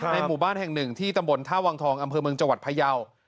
ในหมู่บ้านแห่งหนึ่งที่ตทวงเฟวมจวัตรพะยาว